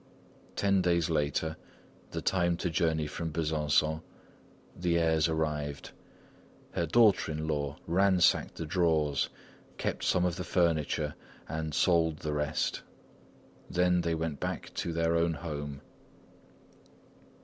Ten days later (the time to journey from Besançon), the heirs arrived. Her daughter in law ransacked the drawers, kept some of the furniture, and sold the rest; then they went back to their own home.